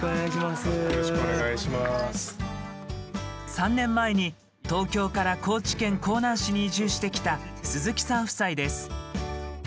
３年前に、東京から高知県香南市に移住してきた鈴木さん夫妻です。